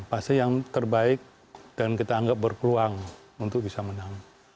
pasti yang terbaik dan kita anggap berpeluang untuk bisa menang